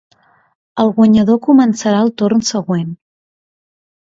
El guanyador començarà el torn següent.